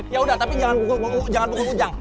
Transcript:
yaudah tapi jangan pukul ujang